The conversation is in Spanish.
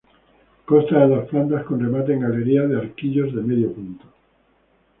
Consta de dos plantas con remate en galería de arquillos de medio punto.